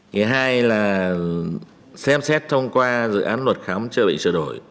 thứ hai là xem xét thông qua dự án luật khám chữa bệnh sửa đổi